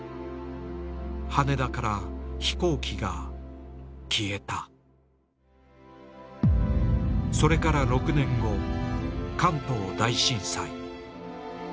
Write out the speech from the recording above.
羽田から飛行機が消えたそれから６年後関東大震災